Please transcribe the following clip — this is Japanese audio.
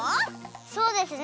そうですね